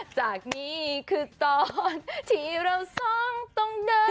จากนี้คือตอนที่เราสองตรงไหน